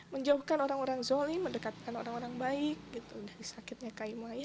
menjauhkan orang orang zolim mendekatkan orang orang baik dari sakitnya kaimai